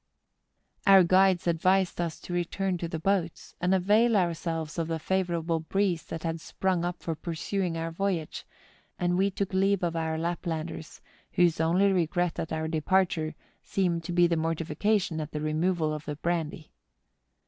Our guides advised us to return to the boats, and avail ourselves of the favourable breeze that had sprung up for pursuing our voyage, and we took leave of our Laplanders, whose only regret at our departure seemed to be mortification at the re¬ moval of the brandy.